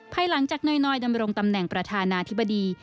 ภายหลังจากน้อยดำรงตำแหน่งประธานาธิบดี